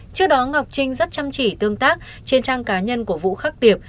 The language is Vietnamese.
trước đó ngọc trinh rất chăm chỉ tương tác trên trang cá nhân của vũ khắc tiệp